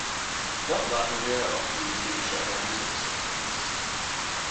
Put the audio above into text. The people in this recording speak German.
Noch warten wir auf die chemische Analyse des Sekrets.